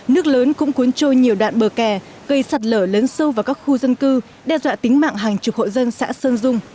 nước lớn cũng cuốn trôi nhiều đoạn bờ kè gây sạt lở lớn sâu vào các khu dân cư đe dọa tính mạng hàng chục hộ dân xã sơn dung